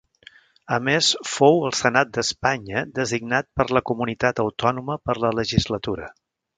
A més fou al Senat d'Espanya designat per la Comunitat autònoma per la legislatura.